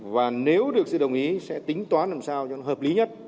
và nếu được sự đồng ý sẽ tính toán làm sao cho nó hợp lý nhất